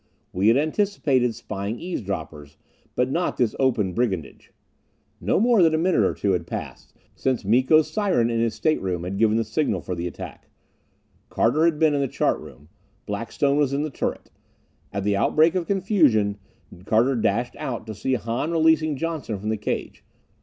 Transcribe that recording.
We had anticipated spying eavesdroppers, but not this open brigandage. No more than a minute or two had passed since Miko's siren in his stateroom had given the signal for the attack. Carter had been in the chart room. Blackstone was in the turret. At the outbreak of confusion, Carter dashed out to see Hahn releasing Johnson from the cage.